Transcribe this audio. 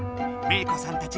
メイ子さん。